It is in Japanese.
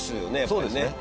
そうですねはい。